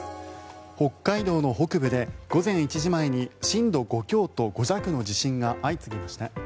北海道の北部で午前１時前に震度５強と５弱の地震が相次ぎました。